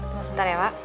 tunggu sebentar ya pak